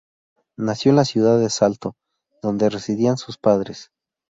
Nació en la ciudad de Salto, donde residían sus padres.